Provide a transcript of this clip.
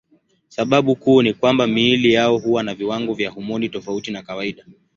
Sababu kuu ni kwamba miili yao huwa na viwango vya homoni tofauti na kawaida.